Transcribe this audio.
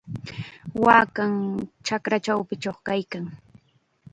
Waakam chakra chawpinchaw kaykan.